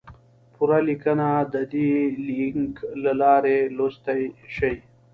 پوره لیکنه د دې لینک له لارې لوستی شئ!